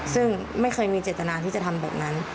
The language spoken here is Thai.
ซึ่งไม่เคยมีเจตนาที่จะทำแบบนั้น